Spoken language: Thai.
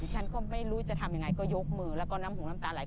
ฉันก็ไม่รู้จะทำยังไงก็ยกมือแล้วก็น้ำหูน้ำตาไหล